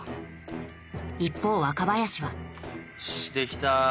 一方若林はよし出来た。